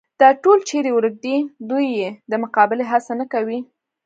دا ټول چېرې ورک دي، دوی یې د مقابلې هڅه نه کوي.